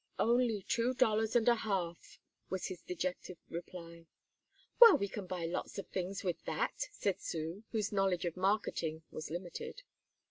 "Only two dollars and a half," was his dejected reply. "Well, we can buy lots of things with that," said Sue, whose knowledge of marketing was limited.